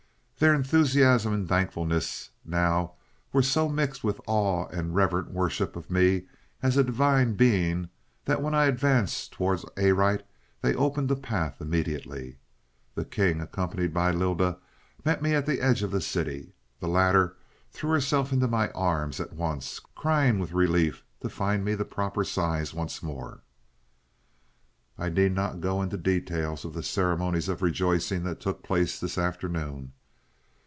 "Their enthusiasm and thankfulness now were so mixed with awe and reverent worship of me as a divine being, that when I advanced towards Arite they opened a path immediately. The king, accompanied by Lylda, met me at the edge of the city. The latter threw herself into my arms at once, crying with relief to find me the proper size once more. "I need not go into details of the ceremonies of rejoicing that took place this afternoon.